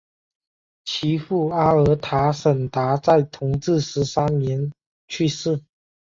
其父阿尔塔什达在同治十三年去世。